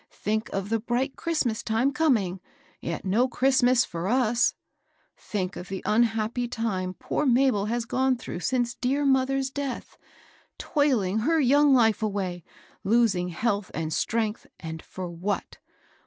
Think of the bright Christmas time coming, yet no Christ*' mas for us. Think qS, the unhappy time poor Mabel has gone through since dear moth^'a death, toiling her young life away, losing health and strength; and for what?